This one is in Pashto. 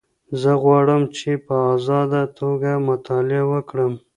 زه غواړم چي په ازاده توګه مطالعه وکړم.